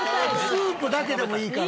スープだけでもいいから。